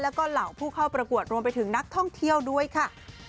แล้วก็เหล่าผู้เข้าประกวดรวมไปถึงนักท่องเที่ยวด้วยค่ะ